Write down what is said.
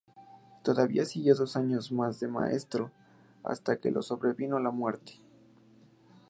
Todavía siguió dos años más de maestro, hasta que le sobrevino la muerte.